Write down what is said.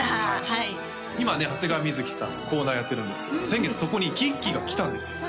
はい今ね長谷川瑞さんコーナーやってるんですけど先月そこにきっきーが来たんですよ